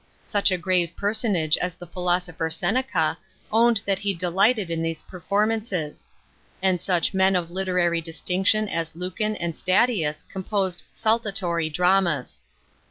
Such a grave person aee as the philosopher Seneca owned that he delighted in these performances ; and such men of literary distinction as Lucan and Statins composed " saltatory " dramas.